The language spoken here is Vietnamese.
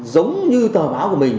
giống như tờ báo của mình